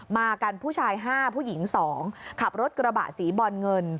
มากันผู้ชาย๕ผู้หญิง๒ขับรถกระบะสีบอลเงิน